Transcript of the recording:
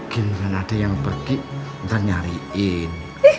gila ada yang pergi ntar nyariin